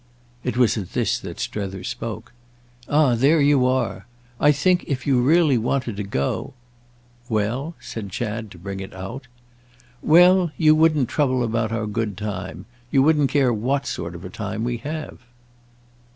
It was at this that Strether spoke. "Ah there you are! I think if you really wanted to go—!" "Well?" said Chad to bring it out. "Well, you wouldn't trouble about our good time. You wouldn't care what sort of a time we have."